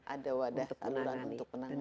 ada wadah untuk penanganan